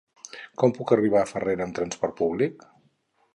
Com puc arribar a Farrera amb trasport públic?